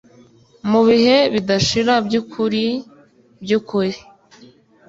Mubihe bidashira byukuri byukuri